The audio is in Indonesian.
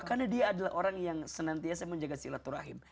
karena dia adalah orang yang senantiasa menjaga silaturahim